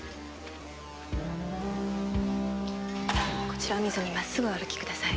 こちらを見ずに真っ直ぐお歩きください。